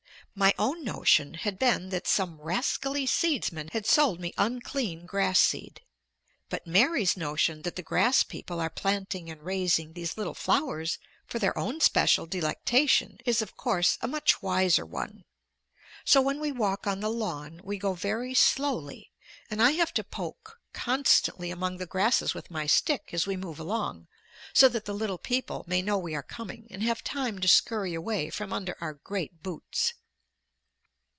My own notion had been that some rascally seedsman had sold me unclean grass seed, but Mary's notion that the grass people are planting and raising these little flowers for their own special delectation is, of course, a much wiser one. So when we walk on the lawn, we go very slowly, and I have to poke constantly among the grasses with my stick as we move along so that the little people may know we are coming and have time to scurry away from under our great boots.